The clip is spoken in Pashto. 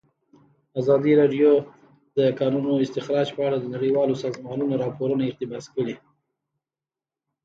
ازادي راډیو د د کانونو استخراج په اړه د نړیوالو سازمانونو راپورونه اقتباس کړي.